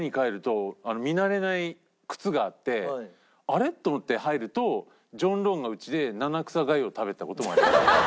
でも「あれ？」と思って入るとジョン・ローンがうちで七草がゆを食べてた事もありました。